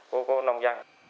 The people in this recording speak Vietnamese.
của nông dân